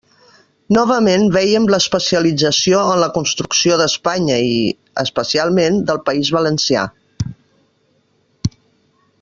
Novament veiem l'especialització en la construcció d'Espanya i, especialment, del País Valencià.